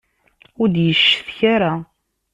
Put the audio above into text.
Ur d-yeccetka ara.